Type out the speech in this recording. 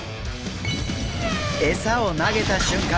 餌を投げた瞬間